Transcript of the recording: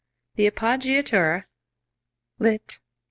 The appoggiatura (lit.